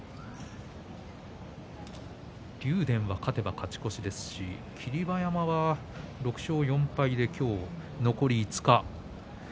竜電が勝てば勝ち越しですし霧馬山は６勝４敗で今日、残り５日。